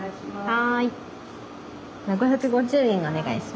はい。